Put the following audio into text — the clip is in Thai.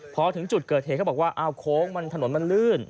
พอถึงจุดเกิดเหตุเขาบอกว่าอ้าวโค้งมันถนนมันลื่น